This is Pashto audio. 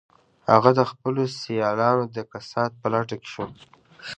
هغه د خپلو سیالانو د کسات په لټه کې شو